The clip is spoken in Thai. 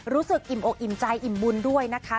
อิ่มอกอิ่มใจอิ่มบุญด้วยนะคะ